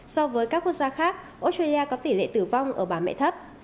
so với các quốc gia khác australia có tỷ lệ tử vong ở bà mẹ thấp